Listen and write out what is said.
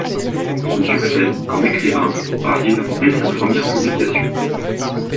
Son succès comme écrivain arrive dès sa première publication.